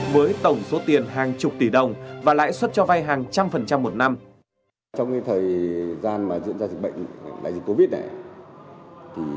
với tổng số tiền hàng chục tỷ đồng và lãi suất cho vay hàng trăm phần trăm một năm